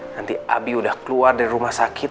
nanti abi udah keluar dari rumah sakit